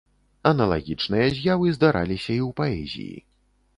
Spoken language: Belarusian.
Аналагічныя з'явы здараліся і ў паэзіі.